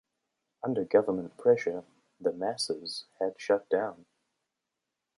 Under government pressure, "The Masses" had shut down.